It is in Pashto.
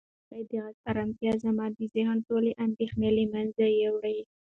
د هغې د غږ ارامتیا زما د ذهن ټولې اندېښنې له منځه یووړې.